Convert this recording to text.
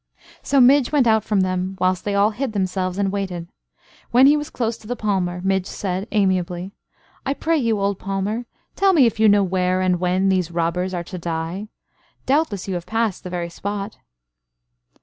So Midge went out from them, whilst they all hid themselves and waited. When he was close to the palmer, Midge said, amiably: "I pray you, old palmer, tell me if you know where and when these robbers are to die? Doubtless you have passed the very spot?"